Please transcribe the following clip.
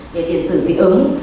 về tiện xử dịch ứng